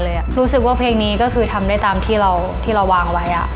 อื่นเขาแข่งกันมาเลยรู้สึกว่าเพลงนี้ก็คือทำได้ตามที่เราวางไว้